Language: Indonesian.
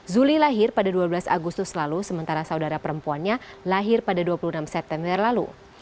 zuli lahir pada dua belas agustus lalu sementara saudara perempuannya lahir pada dua puluh enam september lalu